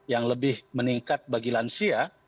yang lebih meningkat bagi lansia